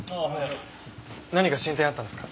何か進展あったんですか？